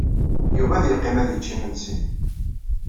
Yuba ad yeqqim ad yečč imensi.